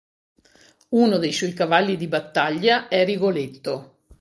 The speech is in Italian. Uno dei suoi cavalli di battaglia è Rigoletto.